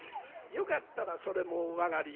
よかったらそれもお上がりよ」。